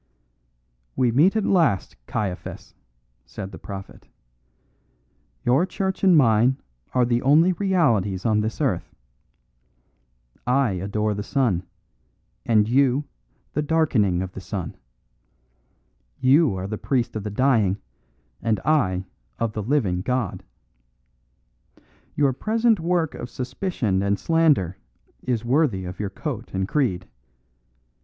"We meet at last, Caiaphas," said the prophet. "Your church and mine are the only realities on this earth. I adore the sun, and you the darkening of the sun; you are the priest of the dying and I of the living God. Your present work of suspicion and slander is worthy of your coat and creed.